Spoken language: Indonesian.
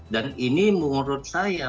dan ini menurut saya